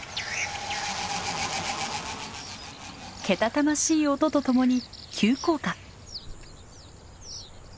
けたたましい音とともに急降下！